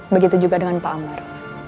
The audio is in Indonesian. begitu juga dengan pak amar